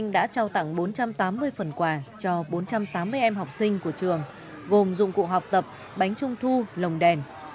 đã trao tặng bốn trăm tám mươi phần quà cho bốn trăm tám mươi em học sinh của trường gồm dụng cụ học tập bánh trung thu lồng đèn